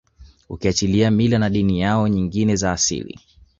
ukiachilia mila na dini yao nyngine za asili